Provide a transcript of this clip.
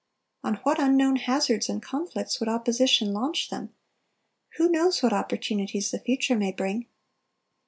On what unknown hazards and conflicts would opposition launch them! Who knows what opportunities the future may bring?